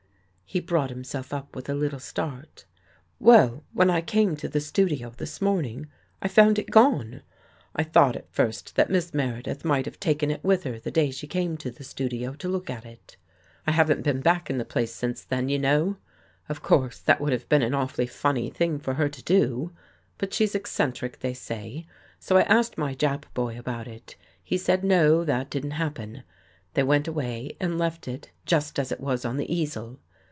He brought himself up with a little start. " Well, when I came to the studio this morning, I found it gone. I thought at first that Miss Meredith might have taken it with her the day she came to the studio to look at it — I haven't been back in the place since 17 THE GHOST GIRL then, you know. Of course that would have been an awfully funny thing for her to do, but she's ec centric they say, so I asked my Jap boy about it. He said no, that didn't happen. They went away and left it just as it was on the easel.